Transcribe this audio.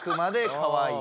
かわいい。